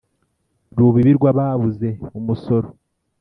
Rubibi rw'ababuze umusoro